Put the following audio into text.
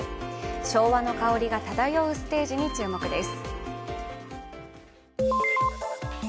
昭和の香りがただようステージに注目です。